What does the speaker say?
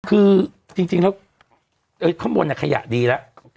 คือจริงเข้าบนก็ขยะดีแล้ว